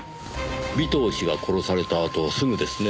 尾藤氏が殺されたあとすぐですねぇ。